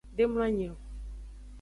De mloanyi.